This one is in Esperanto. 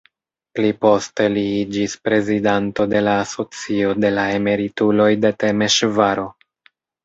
Pli poste li iĝis prezidanto de la asocio de la emerituloj de Temeŝvaro.